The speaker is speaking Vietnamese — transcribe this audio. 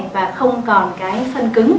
và không còn cái phân cứng